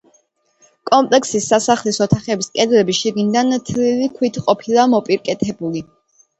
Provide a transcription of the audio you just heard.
კომპლექსის სასახლის ოთახების კედლები შიგნიდან თლილი ქვით ყოფილა მოპირკეთებული.